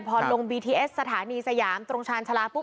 พอลงบีทีเอสสถานีสยามตรงชาญชาลาปุ๊